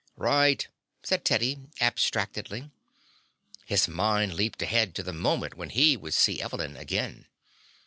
"Right," said Teddy abstractedly. His mind leaped ahead to the moment when he would see Evelyn again.